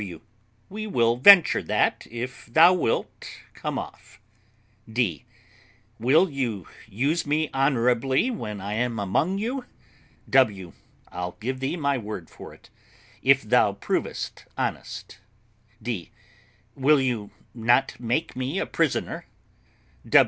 W. We will venture that if thou wilt come off. D. Will you use me honourably when I am among you? W. I'll give thee my word for it, if thou provest honest. D. Will you not make me a prisoner?